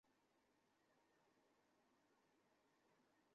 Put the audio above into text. এখানেই ছিল, আর এখন নেই।